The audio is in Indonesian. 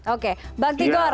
oke mbak tigor